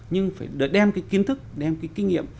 nhưng phải đem cái kiến thức đem cái kinh nghiệm